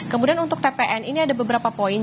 kemudian untuk tpn ini ada beberapa poin